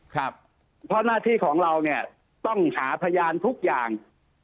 เพราะหน้าที่ของเราเนี่ยต้องหาพยานทุกอย่าง